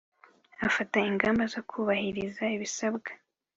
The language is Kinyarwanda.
Afata ingamba zo kubahiriza ibisabwa